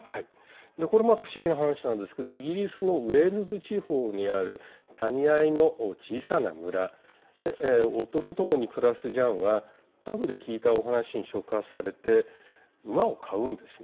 これまた不思議な話なんですけどイギリスのウェールズ地方にある谷あいの小さな村で夫とともに暮らすジャンはパブで聞いたお話に触発されて馬を買うんですね。